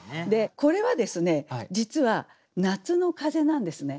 これはですね実は夏の風なんですね。